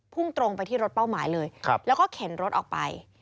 ่งตรงไปที่รถเป้าหมายเลยแล้วก็เข็นรถออกไป